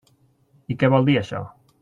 I què vol dir això?